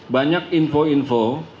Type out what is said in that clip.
banyak info info